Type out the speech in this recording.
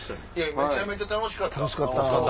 めちゃめちゃ楽しかったトロッコ。